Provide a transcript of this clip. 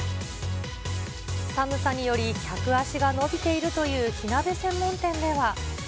寒さにより客足が伸びているという火鍋専門店では。